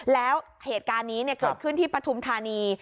แล้วเหตุการณ์นี้เกิดขึ้นที่ปฐุมธานี